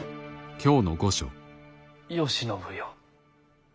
慶喜よ。